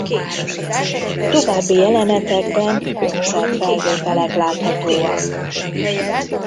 További jelenetekben koncertfelvételek láthatóak.